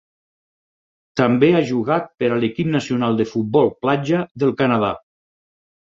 També ha jugat per a l'equip nacional de futbol platja del Canadà.